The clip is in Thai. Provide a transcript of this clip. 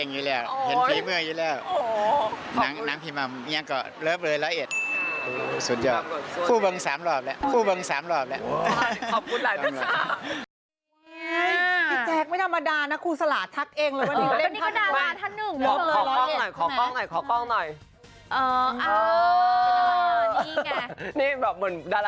ผ่านเป็นเครื่องมือสื่อสารของเรา